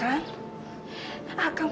tidak tidak tidak